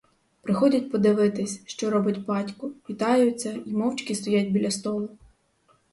Приходять подивитись, що робить батько, вітаються й мовчки стоять біля столу.